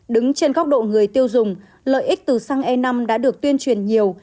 đứng trên góc độ người tiêu dùng lợi ích từ xăng e năm đã được tuyên truyền nhiều